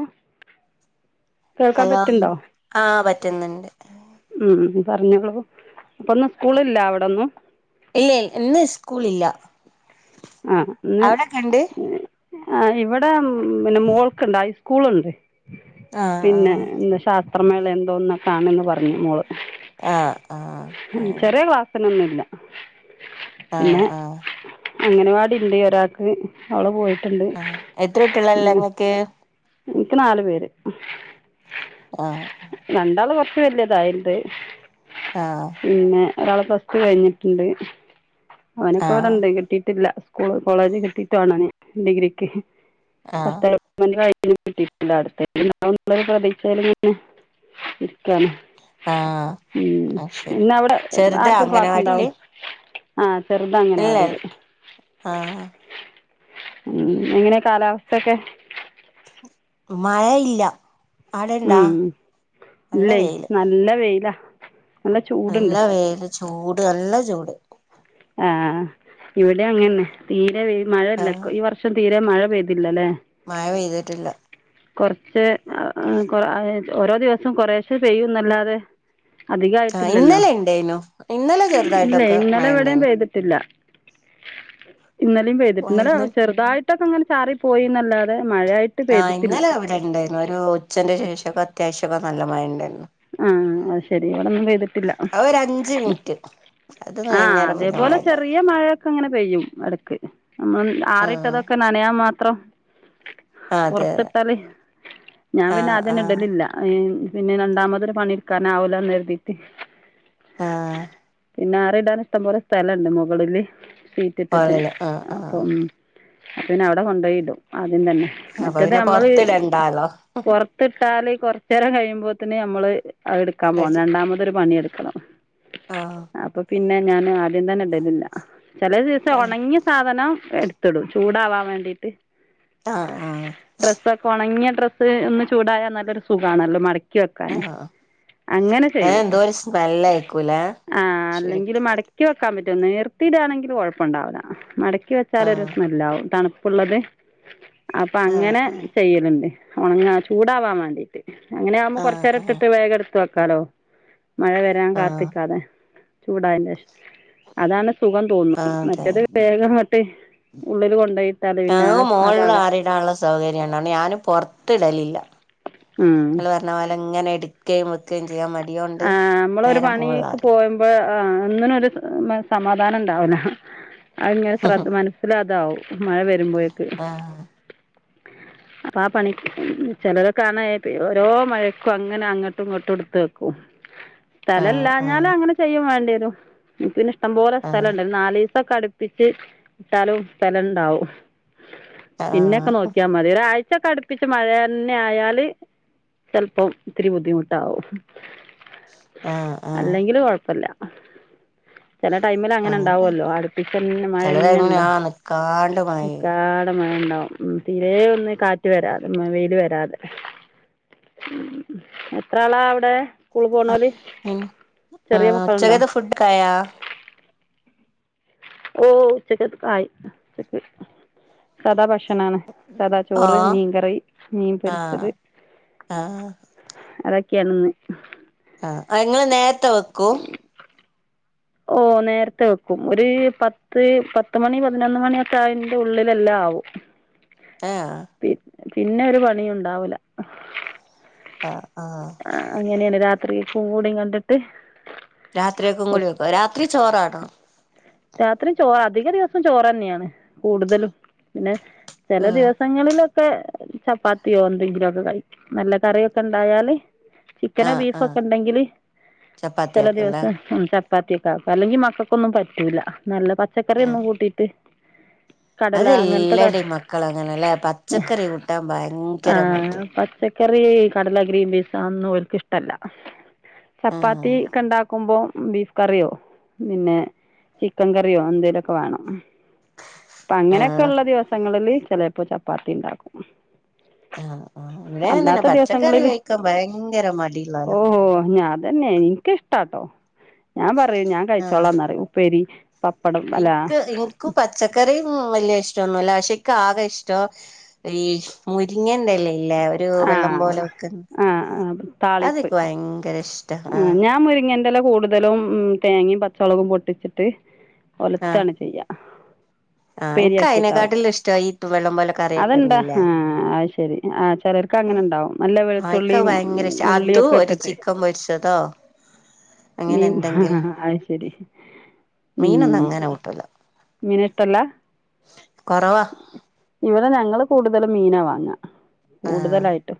[inaudible] കേൾക്കാൻ ഹലോ പറ്റ്ണ്ടോ ആഹ് പറ്റുന്നുണ്ട് ഉം പറഞ്ഞോളൂ അപ്പൊന്ന് സ്കൂളില്ല അവിടൊന്നും ഇല്ലേയ് ഇന്ന് സ്കൂളില്ല ആഹ് ഇന്ന് അവിടൊക്കെണ്ട് ആ ഇവിടെ പിന്നെ മോൾക്കുണ്ട് ഹൈസ്കൂളുണ്ട് ആഹ് പിന്നെ എന്താ ശാസ്ത്രമേള എന്തോന്നക്കാണെന്ന് പറഞ്ഞു മോള് ആഹ് ആഹ് ആഹ് ഉം അങ്ങനെ ചെറിയ ക്ലാസിനൊന്നുംല്ല ആഹ് ആഹ്- അംഗനവാടിണ്ട്‌ ഒരാക്ക് അവള് പോയി- ആഹ് എത്രുട്ട്യാളാള്ളെങ്ങക്ക്? എനിക്ക് നാല് പേര്- ആഹ് രണ്ടാള് കൊർച്ച് വല്യതായിണ്ട്- ആഹ്- പിന്നെ ഒരാള് പ്ലസ് ടു കഴിഞ്ഞിട്ടുണ്ട് ഓനൊക്കെ ആഹ് ഇവിടെണ്ട് കിട്ടീട്ടില്ല- കോളേജ് കിട്ടീട്ടു ഓന് ഡിഗ്രിക്ക് ആഹ് ഫസ്റ്റ് അലോട്മെന്റ് കഴി കിട്ടിട്ടില്ല അടുത്തേല് ണ്ടാവുംന്ന്ള്ളൊരു പ്രതീക്ഷേല്ങ്ങനെ ഇരിക്കാണ്- ആഹ് ഉം ആഹ് ശരി ഇന്നവിടെ ചെറുതാ അംഗനവാടില്? ചെറുത അംഗനവാടില്- ആഹ് ഉം, എങ്ങനെ കാലാവസ്ഥൊക്കെ? മയ ഇല്ല. ആടെ ഇണ്ടാ ഉം നല്ല ഇല്ലേ വെയില് നല്ല വെയിലാ നല്ല നല്ല ചൂടുണ്ട്. വെയില് ചൂട് നല്ല ചൂട് ആഹ് ഇവിടേം അങ്ങനെന്നെ തീരെ വെ മഴയില്ല കൊ ഈ വർഷം തീരെ മഴ പെയ്തില്ലല്ലേ. മയ പെയ്തിട്ടില്ല കൊറച്ച് ഓരോ ദിവസം കൊറേശ്ശെ പെയ്യുംന്നല്ലാതെ അധികം ആഹ് ആയിട്ടില്ലല്ലോ ഇന്നലെ ഇണ്ടേനു ഇന്നലെ ഇല്ല ചെറുതായിട്ടൊക്കെ ഇന്നല മഴ ഇവി [unintelligible] ഇണ്ടേനു പെയ്തിട്ടില്ല ഇന്നലേം പെയ്തിട്ട് ഇന്നലെ വൈകുന്നേ ചെറുതായി [unintelligible] ഇങ്ങനെ ചാറി പോയിന്നല്ലാതെ ആഹ് ഇന്നലെ ഇവിടെ ഇണ്ടായിരുന്നു ഒരു ഉച്ചെന്റെ ശേഷമൊക്കെ അത്യാവശ്യക്കെ നല്ല മഴ ഇണ്ടായിരുന്നു. ആഹ് അത് ശരി [unintelligible] [unintelligible] പെയ്തിട്ടില്ല അത് ഒരു അഞ്ച് മിനിറ്റ് അത് ആഹ് കഴിഞ്ഞേരം പിന്നെ അതേപോലെ മഴയില്ല ചെറിയ മഴയൊക്കെ ഇങ്ങനെ പെയ്യും എടക്ക് ആഹ് ആറിട്ടതൊക്കെ നനയാൻ മാത്രം അതെ അതെ പൊറത്തിട്ടാല് ഞാൻ പിന്നെ ആഹ് അതന്നെ ആഹ് ഇടലില്ല പിന്നെ രണ്ടാമ [unintelligible] പണി എടുക്കാൻ ആവൂലാന്ന് കരുതീട്ട് ആഹ് പിന്നെ ആറിടാനും ഇഷ്ടം പൊലെ സ്ഥലണ്ട് മുകളില് സീറ്റിട്ടിട്ട് ഹോളില് ആഹ് ആഹ് അപ്പം അത് പിന്നെ അവിടെ കൊണ്ടോയി ഇടും ആദ്യം തന്നെ അപ്പൊ മറ്റത് പിന്നെ നമ്മള് പൊറത്തിടണ്ടാലോ പൊറത്തിട്ടാല് കൊറച്ചു നേരം കഴിയുമ്പോത്തേന് നമ്മള് അത് എടുക്കാൻ കരുതി. പോണം രണ്ടാമത് ഒരു പണി എട് ആഹ് അപ്പൊ പിന്നെ ഞാന് ആദ്യം തന്നെ ഇടലില്ല. ചെല ദിവസം ആഹ് ഒണങ്ങിയ സാധനം എടുത്തിടും ചൂടാവാൻ വേണ്ടീട്ട്. ആഹ് ആഹ് ഡ്രസ്സൊക്കെ ഒണങ്ങിയട് ഡ്രസ്സ് ഒന്ന് ചൂടായ നല്ലൊരു സുഖാണല്ലോ മടക്കി വെക്കാന്. ആഹ് അങ്ങനെ ഏഹ് ചെയ്യും എന്തോ ഒരു സ്മെല്ലായിക്കൂലേ ആഹ് ശരിക്ക് അല്ലെങ്കില് മടക്കി വെക്കാൻ പ നീർത്തിടാണെങ്കില് കൊഴപ്പണ്ടാവൂല മടക്കി വെച്ചാലൊരു ആഹ് സ്മെല്ലാവും തണു പ്പ്ള്ളത് അപ്പ ആഹ് അങ്ങനെ ആഹ് ചെയ്യല്ണ്ട് ഒണങ്ങാ ചൂടാവാൻ വാണ്ടിട്ട്. അങ്ങനെയാവുമ്പോ ആഹ് കൊറച്ചേരം ആഹ് ഇട്ടിട്ട് വേഗം ഇട്ത്ത് വെക്കാലോ മഴ വരാൻ ആഹ് കാത്ത്ക്കാതെ. ചൂടായൻ്റെഷം അതാണ് സുഖം തോന്നുന്നു മറ്റത് വേഗംങ്ട്ട് തണവ് മോളിൽ ഭാഗം ആറിടാൻള്ള സൗകര്യം ആണ് അതോണ്ട് ഞാനും പൊറത്ത് ഇടലില്ല. ഉം ഇങ്ങള് പറഞ്ഞ പോലെ ഇങ്ങനെ ഇട്ക്കേം വെക്കേം ആഹ് അമ്മളൊരു പണീക്ക് പോവുമ്പോ ആഹ് ഒന്നിനും ഒരു മെ സമാധാനം ഇണ്ടാവൂല. അഹ്ങ്ങനെ ശ്രദ് മനസ്സിലതാവും. മഴ വരുമ്പോയേക്ക് ആഹ് അപ്പ ആ പണി ചെലരൊ കാണ ഈ ഓരോ മഴക്കും അങ്ങനെ അങ്ങട്ടും ഇങ്ങട്ടും ഇട്ത്ത് വെ ഉ ആഹ് സ്ഥലല്ലാഞ്ഞാല് ആഹ് അങ്ങനെ ചെയ്യും വാണ്ടിയേരും നിക്ക് പിന്നെ ഇഷ്ടം പോലെ അതെ സ്ഥലംണ്ടൽ നാലീസൊക്കെ അട്പ്പിച്ച് ഇട്ടാലും സ്ഥലണ്ടാവും. ആഹ് പിന്നെക്കെ നോക്കിയാ മതി ഒരാഴ് ച്ചക്കെ അടുപ്പിച്ച് മഴയന്നെ ആയാല് ചെലപ്പം ഇത്തിരി ബുദ്ധിമുട്ടാവും. ആഹ് ആഹ് അല്ലെങ്കില് കൊഴപ്പില്ല ചില ടൈമിൽ അങ്ങനെ ഉണ്ടാവുമല്ലോ അടുപ്പിച്ചന്നെ മഴ ചെല തന്നെ ടൈമിന് ഉണ്ട് ആഹ് നിക്കാണ്ട് മഴെയ്യും നീക്കാട മഴ ഉണ്ടാവ ഉം തീരെ ഒന്ന് കാറ്റ് വരാതെ വെയില് വരാതെ എത്ര ആളാ അവിടെ സ്കൂള് പോനോല് പിന്നെ ചെറിയ ആഹ് മക്കളുണ്ടോ ഉച്ചക്കത്തെ ഫുഡൊക്കെ ആയാ ഓ ഉച്ചക്ക്ക്കയി ച സദാ ഭഷ ഭക്ഷണണ് സദാ ചോറ് ഓഹ് മീൻകറി മീൻ പൊരിച്ചത് ആഹ് ആഹ് അതൊക്കെയണന്ന് മം ആ എങ്ങള്ൾ നേരത്തെ വെക്കും ഓ നേരത്തെ വെക്കും ഒരു പത്ത് പത്ത് മണി പതിനൊന്ന് മണിയൊക്കെ അതി ൻ്റെ ഉള്ളിലെല്ലാം ആവും ഏഹ് പി പിന്നെ ഒരു പണിയ ഉണ്ടാവൂല ആഹ് ആഹ് ആ അങ്ങനെയാണ് രാത്രി കൂ ഗൂഢയും കണ്ടിട്ട് രാത്രിയ ഒക്കെ കൂളി വക്ക രാത്രി ചോറാണോ രാത്രി ചോറ അധിക ദിവസം ചോറ് തന്നെയാണ് കൂടുതലും പിന്നെ ചില ആഹ് ദിവസങ്ങളിൽ [unintelligible] ചപ്പാത്തിയോ എന്തെങ്കിലുമ ഒക്കെ കഴിക്കും നല്ല കറിയൊക്കെ ഉണ്ടായാല് ചിക്കനോ ആഹ് ബീഫ ആഹ് ഒക്കെ ഉണ്ടെങ്കില് ചില ചപ്പാത്തിയാക്കുംല്ലേ ദിവസം ഉം ചാ ചപ്പാത്തിയൊക്കെ അല്ലെങ്കി മക്കൾക്കൊന്നും പറ്റൂല നല്ല പച്ചക്കറിയൊന്നും കൂട്ടിയിട്ട് കടല അത് അങ്ങനത്തെ ക എല്ലാടെയും മക്കള അങ്ങനെല്ലേ പച്ചക്കറി കൂട്ടാന് ഭയങ്കരമായിട്ടി ചെറിയ ഈ കടല ഗ്രീൻപീസ് അന്നും ഓൽക്ക് ഇഷ്ടല്ല ചപ്പാത്തി ആഹ് ക്കണ്ടാക്കുമ്പൊ ബീഫ് കറിയോ പിന്നെ ചിക്കൻ കറിയോ എന്തേങ്കലൊക്കെ വേണം അപ്പൊ ആഹ് അങ്ങനെയൊക്കെള്ള ദിവസങ്ങളില് ചിലപ്പോ ചപ്പാത്തി ഇണ്ടാക്കും ആ ആ ഇവിടെ തന്നെ പച്ചക്കറി ദിവസങ്ങളില് കഴിക്കാൻ ഭയങ്കര ഓ മടിള്ളാലാ ഞാൻ അതന്നെ എനിക്കിഷ്ടാട്ടോ ഞാൻ പറയൂ ഞാൻ കഴിച്ചോളാംന്നറയും ഉപ്പേരി പപ്പടം അല്ല ഇനിക്ക് ഇനിക്ക് പച്ചക്കറി ഉം വലിയ ഇഷ്ടൊന്നുല്ല പക്ഷേ എനക്കാകെ ഇഷ്ടം ഈ മുരിങ്ങണ്ടല്ലേ ഇല്ല ഒരു ആ വെള്ളം പോലെ വെക്കുന്നു ആ ആ അത് താളിപ്പ് ഭയങ്കര ഇഷ്ട ആ ഞാൻ മുരിങ്ങേൻന്റെല്ല കൂടുതലും ഉം തേങ്ങയും പച്ചളകവും പൊട്ടിച്ചിട്ട് ഒലത്താണ് ചെയ്യാ ആ എനക്ക് അയിനെക്കാട്ടിലും ഇഷ്ടാ ഈ വെള്ളം പോലെ കറി അത്ണ്ടാ വെക്കുന്നില്ലേ ആ അത് ശരി ആ ചിലർക്ക് അങ്ങനെ ഇണ്ടാവും നല്ല ആഹ് ഇക്ക് അത് വെളുത്തുള്ളിയും ഭയങ്കര അതും ഉള്ളിയൊക്കെ ഒരു ചിക്കൻ മൊരിച്ചതോ മീ അത് ശരി ഉം മീനൊന്നും അങ്ങനെ കൂട്ടൂല മിനിട്ടല്ല കൊറവാ ഇവിടെ ഞങ്ങള് കൂടുതലും മീനാ വാങ്ങാ ആഹ് കൂടുതലായിട്ടും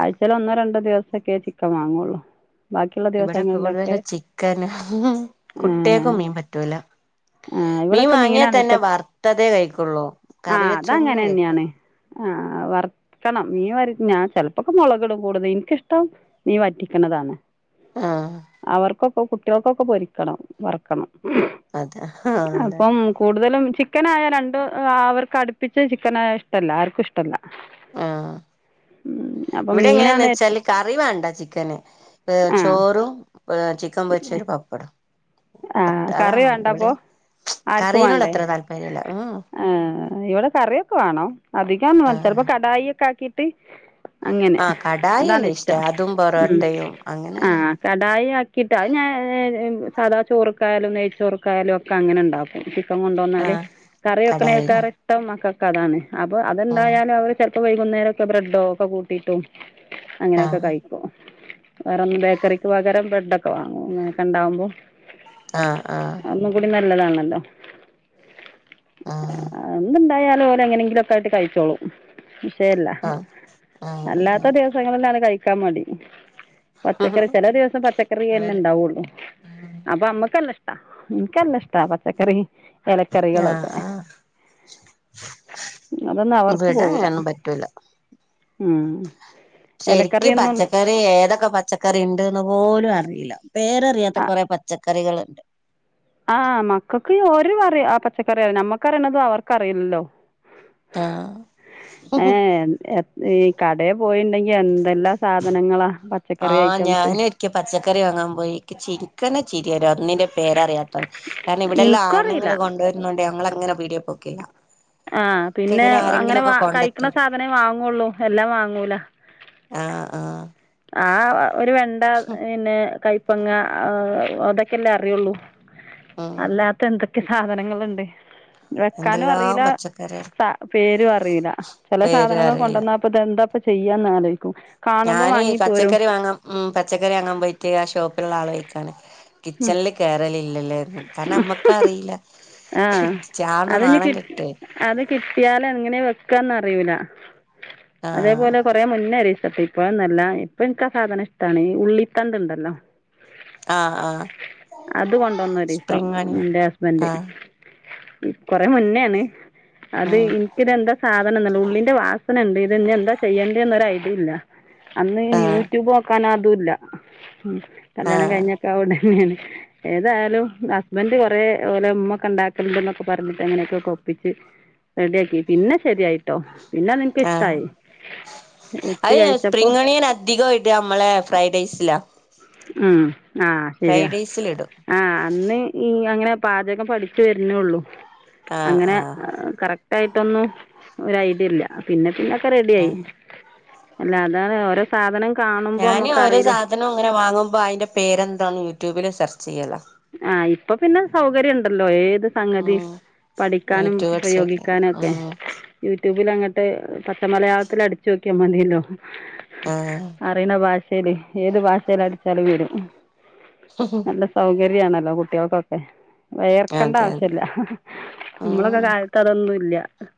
ആഴ്ചായിലൊന്നോ രണ്ടോ ദിവസൊക്കെ ചിക്കൻ വാങ്ങുള്ളു ഇവിടെ കൂടുതലും ചിക്കന് ആ, കുട്ടികക്കും മീൻ പറ്റൂല ആ, മീൻ ഇവിടെയൊക്കെ വാങ്ങിയാൽ മീനാണ് തന്നെ ഇഷ്ടം വർത്തതേ കഴിക്കൊള്ളൂ ആ അതങ്ങനന്നെയാണ് ആ വറക്കണം മീ വരി ഞാൻ ചിലപ്പോക്കെ മുളകിടും കൂടുതും എനിക്കിഷ്ടം മീ വറ്റിക്കണ താണ് ആഹ് അവർക്കൊക്കെ കുട്ടികൾക്കൊക്കെ പൊരിക്കണം വറ്ക്കണം അതെ ആഹ് അതെ അപ്പം കൂടുതലും ചിക്കനായൽ രണ്ടും അവർക്കടുപ്പിച്ച് ചിക്കനായാൽ ഇഷ്ടല്ല ആർക്കും ഇഷ്ടല്ല ആഹ് അപ്പം ഇവിടെ എങ്ങനെയന്ന് മീനാണ് വെച്ചാല് കറി വേണ്ട ചിക്കന് ആ ചോറും ചിക്കൻ പൊരിച്ചൊരു പപ്പടം ആ അതാ കറി വേണ്ടത് ഇവിടെ വേണ്ടപ്പൊ ആർക്കും കറീനോട് വേണ്ടേ അത്ര താല്പര്യല്ല ഉം ആ ഇവിടെ കറിയൊക്കെ വേണം അധികംന്ന ആഹ് ചിലപ്പോ കടായി ഒക്കെ ആക്കിട്ട് അങ്ങനെ ആഹ് കടായി അതാണ് അല്ലേ ഇഷ്ടം അതും ഉം പൊറോട്ടയും ആ അങ്ങനെയല്ല കടായി ആക്കിട്ടാ അത് ഞാ സാധാ ചോറ്ക്കായാലും നെയ്ച്ചോറ്ക്കായാലും ഒക്കെ അങ്ങനെ ഇണ്ടാക്കും കൊണ്ട്ന്നാല് ആഹ് കറി കടായില്ലേ വെക്കണേക്കാറ് ഇഷ്ടം മക്കക്ക് അതാണ് അപ്പൊ ഉം അതൊണ്ടായാലും അവര് ചെ ഇപ്പൊ വൈകുന്നേരക്കെ ബ്രെഡോ ഒക്കെ കൂട്ടിട്ടും അങ്ങനെയൊക്കെ ആഹ് കഴിക്കും വേറൊന്നും ബേക്കറിക്ക് പകരം ബ്രഡൊക്കെ വാങ്ങും ങ്ങനൊക്കെണ്ടാവുമ്പോ ആഹ് ആ നല്ലതാണല്ലോ ആ പിന്നെന്തായാലും ലെ എങ്ങനെങ്കിലൊക്കെയായിട്ട് കഴിച്ചോളൂം വിഷയല്ല ആഹ് ആഹ് അല്ലാത്ത ദിവസങ്ങളിലാണ് കഴിക്കാൻ മടി ആഹ് പച്ചക്കറി ചില ദിവസം പച്ചക്കറി തന്നെ അവല് ഇണ്ടാവുള്ളു ഉം എനക്കെല്ലാം ഇഷ്ടാ പച്ചക്കറി ആഹ് എലക്കറികളൊക്കെ ആഹ് അതൊന്നും അവർക്ക് ഇവിടെ പോവില്ല അങ്ങനൊന്നും പറ്റൂല ഉം ശരിക്ക് ഇലക്കറിയൊന്നും പച്ചക്കറി ഏതൊക്കെ പച്ചക്കറി ഇണ്ട്ന്ന് പോലും അറിയില്ല പേരറിയാത്ത കൊറെ പച്ചക്കറികള്ണ്ട് ആഹ് മക്കൾക്ക് ഒരു [unintelligible] ആ പച്ചക്കറി നമ്മക്കറിയണതും അവർക്ക് അറിയില്ലല്ലോ ആഹ് ആ ഏ എ കടയിൽ പോയിണ്ടെങ്കി എന്തെല്ലാം സാധനങ്ങളാ ആ പച്ചക്കറി ഐറ്റംസ് ഞാനും ഇരിക്ക പച്ചക്കറി വാങ്ങാൻ പോയിക്ക് ചിരിക്കന ചിരി വരും അന്നിന്റെ പേരറിയാത്ത കാരണം ഇവിടെല്ലാം ഇൻക്കറീല ആണങ്ങള് കൊണ്ടുവരുന്നണ്ടേ ഞങ്ങള് അങ്ങനെ പീടിയ പോക്കില്ല ആഹ ഇക്ക് പിന്നെ ഇങ്ങനെ അങ്ങനെ ആരെങ്കിലൊക്കെ വാ കഴിക്കണ കൊണ്ടത്തരും സാധനേ വാങ്ങുള്ളൂ എല്ലാം വാങ്ങൂല ആഹ ആഹ ആ ഒരു വെണ്ട പിന്നെ കൈപ്പങ്ങ അതൊക്കെല്ലേ അറിയുള്ളൂ ഉം അല്ലാത്ത എന്തൊക്കെ സാധനങ്ങുണ്ട് വെക്കാനും എന്തെല്ലാം അറിയില്ല പച്ചക്കറിയാ പേരും അറിയില്ല ചില പേരും സാധനങ്ങൾ അറിയില്ല കൊണ്ടുവന്നപ്പ ഇതെന്താ ചെയ്യാന്ന് ആലോചിക്കും കാണുമ്പോ ഞാന് വാങ്ങിപ്പോരും പച്ചക്കറി വാങ്ങാൻ ഉ പച്ചക്കറി വാങ്ങാൻ പോയിട്ട് ആ ഷോപ്പിലുള്ള ആളൾ കഴിക്കാണ് ഉം കിച്ചണില് കേയറലില്ലല്ലേ കാര അമ്മക്ക അറിയില്ല ആഹ അതിന് ക അത് കിട്ടിയാല എങ്ങനെ വെ ന്ന അറിൂല ആഹ് അതേപോലെ കൊറെ മുന്നരി ഇപ്പഴന്നല്ല ഇപ്പൊ എനക്കാ സാധനം ഇഷ്ടമാണ് ഉള്ളിത്തണ്ട് ഉണ്ടല്ലോ ആഹ ആഹ ന്ന ദിവസം എന്റെ ഹസ്ബന്ഡ് കൊറെ മുന്നോണ് അത് ഉം എനിക്കിതെന്താ സാധനം എന്നല്ല ഉള്ളിന്റെ വാസന ഉണ്ട് ഇത് ഇ എന്താ ചെയ്യേണ്ടന്ന് ഒരു അല്ല അന്ന് ഇനി ആഹ് യൂട്യൂബ് നോക്കാന അതല്ല ഉ കല്യാണം ആഹ് കഴിഞ്ഞൊക്കെ അണ്ട തന്നെയാണ് ഏതായ ഹസ്ബന്ഡറ് കൊറെേലെ ഉമ്മ ഒക്കെ ഉണ്ടാക്കലുണ്ട് എന്നൊക്കെ പറഞ്ഞിട്ട് അങ്ങനെയൊക്കെ കൊ പ്പിച്ച് റെഡിയാക്കി പിന്നെ ശെരിയായിട്ടോ പിന്നെ എനിക്ക് ആഹ് ഇഷ്ടായി അത് സ്പ്രിംഗണിയൻ അധികമായിട്ട് നമ്മളെ ഫ്രൈഡ് റൈസിലാ ഉം ആഹ ശരിയാ ഫ്രൈഡ് റൈസിലിടും ആഹ് അന്ന് ഈ അങ്ങനെ പാചകം പഠിച്ചു വരുന്നള്ളു ആഹ് അങ്ങനെ ആഹ് ക ആയിട്ടൊന്നും ഒരു ഐഡിയ ഇല്ല പിന്നെ പിന്നൊക്കെ റെഡി ആയി ആഹ് അല്ല അതാണ് ഓരോ സാധനം കാണുമ്പോ ഞാന് ഓരോ നമ്മുക്കറിയില്ല സാധനവും അങ്ങനെ വാങ്ങു അ അയിന്റെ പേരെന്താണ് യൂട്യൂബില് സെർച്ച് ചെയ്യല അപ്പൊ പിന്നെ സൗകര്യം ഉണ്ടല്ലോ ഏ സംഗതി ആഹ് പഠിക്കാനും യൂട്യൂബ് അടിച്ചൊക്കെ ഉപയോഗിക്കാനും ഒക്കെ ആഹ് യ ട്യൂബിൽ അങ്ങട്ട് പച്ച മലയാളത്തിൽ അടിച്ചു വോക്കിയാൽ മതില്ലോ ആഹ് അറിയണ ഭാഷ ശരി ഏത് ഭാഷൽ അടിച്ചാലും വീടും നല്ല സൗകര്യ യാണല്ലോ കുട്ടികൾക്കൊക്കെ വയർക്കണ്ട അതെ അതെ ആവശ്യല്ല നമ്മളൊക്കെ കഴ്ത്തറൊന്നും ഇല്ല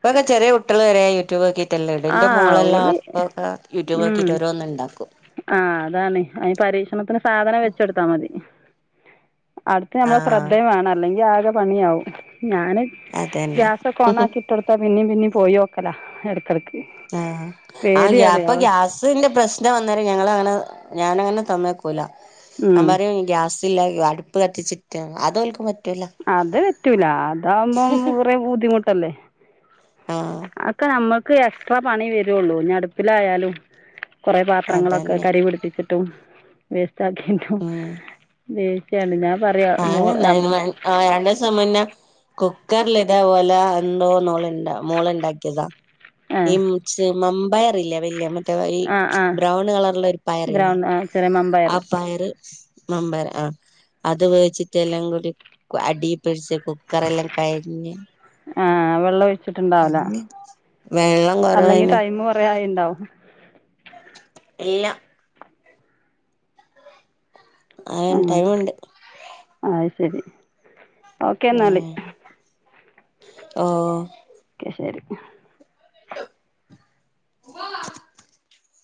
ഇതൊക്കെ കുട്ടികൾ വരെ യൂടൂബ് മറ്റല്ല ഇൻ്റെ ആഹ് മോളെല്ലാം ഓല് അപ്പക്കെ യൂട്യൂബ് ആക്കിയിട്ട് ഓരോന്ന് ഉണ്ടാക്കും ആ അതാണ് അന് പരീക്ഷണത്തിന് സാധനം വെച്ചെടുത്താ മതി അടുത്ത് നമ്മളെ ആഹ് ശ്രദ്ധേയും വേണം അല്ലെങ്കിൽ ആകെ പണിയാവും ഞാന് അതന്നെ ഗ്യാസൊക്കെ ഓണ ആക്കിട്ട് കൊടുത്താ പിന്നേ പിന്നേ പോയി നോക്കലാ എടുക്കടുത്ത് ആ ആ് അപ്പൊ ഗ്യാസിന്റെ പ്രശ്നം വന്നേരം ഞങ്ങള അങ്ങനെ ഞാൻ അങ്ങനെ തമ്മേക്കൂല ഞാൻ ഉം പറയും ഗ്യാസില്ല അടുപ്പ് കത്തിച്ചിട്ട് അതോ അത് പറ്റൂല അതകുമ്പം കുറെ ബുദ്ധിമുട്ടല്ലേ ആഹ് അക്കെ നമ്മുക്ക് എക്സ്ട്രാ പണി വരുള്ളൂ അടുപ്പിലായാലും കുറെ പാത്രങ്ങളൊക്കെ അതന്നെ കരി പിടിപ്പിച്ചിട്ടും വേസ്റ്റ് ആക്കിട്ടും ഇതെന് പണി അന്തയാണ്ട രണ്ടുസും മുന്നേ കുക്കറൽ ഇതേപോലെ എന്തോ മോളണ്ട മോളുണ്ടാക്കിയതാ ഈ ച വയറില്ല വല്- മറ്റേ ആഹ് ആഹ് ബ്രൗൺ കളറുള്ള ഒരു പയറ ഇല്ലേ ഗ്രൗണ്ട് ആഹ് ചെറിയ മമ്പയർ ആ പയറ് മമ്പരാ ആ അ അത് വെച്ചിട്ട എല്ലാം കൂടി അടിപ്പി ടിച്ച് കുക്കറെ എല്ലാം കരിഞ്ഞ് ആവെള്ളം ഒഴിച്ചിട്ടുണ്ടാവല വെള്ളം അല്ലെങ്കി കൊറവേനു ടൈം കൊറയായി ഉണ്ടാവും ആ ഇല്ല ആ ആഹ് ടൈമുണ്ട് അത് ശരി ഓക്കെ ഏ എന്നാല് ഓ ഓക്കെ ശരി വഹ